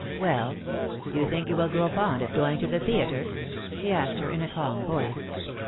Well, do you think you will grow fond of going to the theatre he asked her, in a calm voice.